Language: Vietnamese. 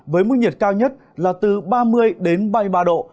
với mức nhiệt cao nhất là từ ba mươi đến ba mươi ba độ